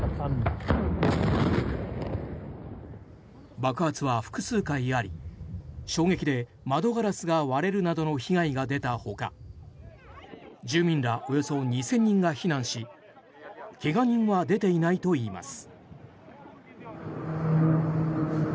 爆発は複数回あり衝撃で窓ガラスが割れるなどの被害が出たほか住民らおよそ２０００人が避難し怪我人は出ていないといいます。